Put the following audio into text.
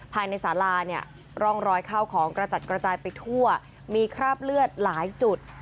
ภายในสาราเนี่ยร่องรอยข้าวของกระจัดกระจายไปทั่วมีคราบเลือดหลายจุด